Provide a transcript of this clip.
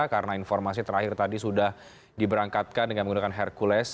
karena informasi terakhir tadi sudah diberangkatkan dengan menggunakan hercules